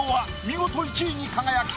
見事１位に輝き